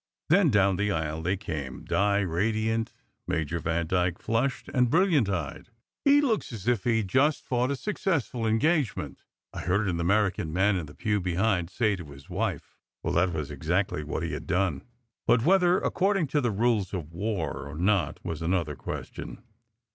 Then, down the aisle they came, Di radiant, Major Vandyke flushed and brilliant eyed. "He looks as if he had just fought a successful engagement," I heard an American man in the pew behind say to his wife. Well, that was exactly what he had done. But whether according to the rules of war or not was another question.